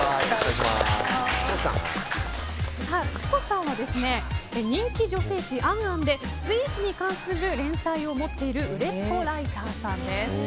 ｃｈｉｃｏさんは人気女性誌「ａｎａｎ」でスイーツに関する連載を持っている売れっ子ライターさんです。